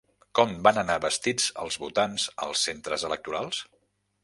Com van anar vestits els votants als centres electorals?